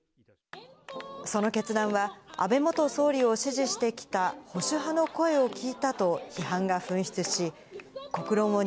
その決断は、安倍元総理を支持してきた保守派の声を聞いたと批判が噴出し、国葬反対！